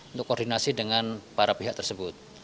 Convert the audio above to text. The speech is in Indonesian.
untuk koordinasi dengan para pihak tersebut